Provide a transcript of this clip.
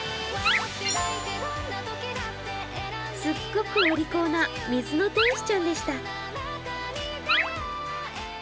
すっごくお利口な水の天使ちゃんでした。